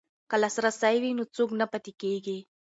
که لاسرسی وي نو څوک نه پاتې کیږي.